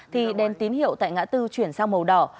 thì đèn tín hiệu tại ngã tư chuyển sang màu đỏ